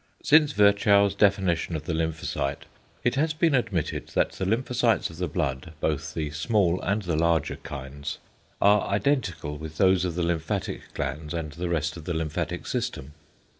Since Virchow's definition of the lymphocyte it has been admitted that the lymphocytes of the blood, both the small and larger kinds, are identical with those of the lymphatic glands and the rest of the lymphatic system.